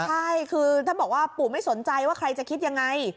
ใช่คือท่านบอกว่าปู่ไม่สนใจว่าใครจะคิดยังไง